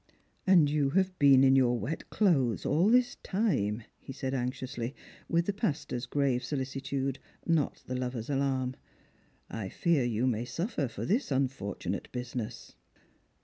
" And you have been in your wet clothes all this time," he eaid anxiously, with the pastor's grave solicitude, not the lover's alarm. " I fear you may suffer for this unfortunate business."